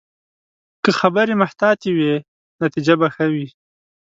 که خبرې محتاطې وي، نتیجه به ښه وي